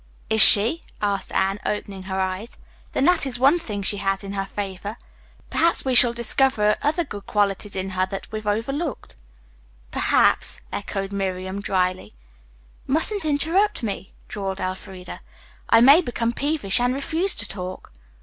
"Is she?" asked Anne, opening her eyes. "Then that is one thing she has in her favor. Perhaps we shall discover other good qualities in her that we've overlooked." "Perhaps," echoed Miriam dryly. "Mustn't interrupt me," drawled Elfreda. "I may become peevish and refuse to talk."